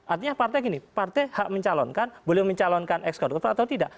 artinya partai gini partai mencalonkan boleh mencalonkan ex koruptor atau tidak